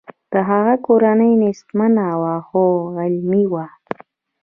د هغه کورنۍ نیستمنه وه خو علمي وه